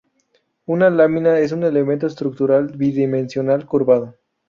Una lámina es un elemento estructural bidimensional curvado.